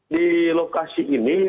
di lokasi ini